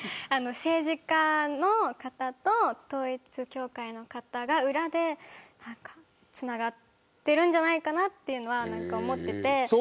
政治家の方と統一教会の方が裏でつながってるんじゃないかなというのは思っていて。